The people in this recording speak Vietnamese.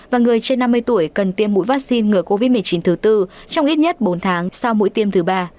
và người trên năm mươi tuổi cần tiêm mũi vaccine ngừa covid một mươi chín thứ tư trong ít nhất bốn tháng sau mũi tiêm thứ ba